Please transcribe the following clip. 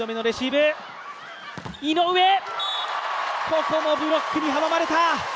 ここもブロックに阻まれた。